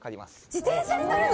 自転車に乗るの？